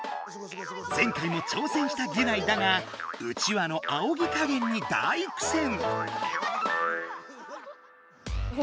前回も挑戦したギュナイだがうちわのあおぎかげんに大苦戦。